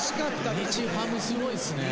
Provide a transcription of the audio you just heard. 日ハムすごいっすねぇ。